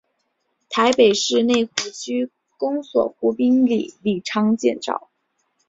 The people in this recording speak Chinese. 台北市内湖区公所湖滨里里长简介